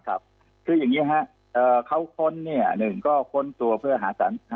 ครับคืออย่างนี้ฮะเขาค้นเนี่ยหนึ่งก็ค้นตัวเพื่อหาสาร